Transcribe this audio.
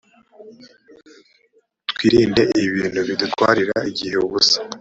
twirnde ibintu bidutwarira igihe ubusa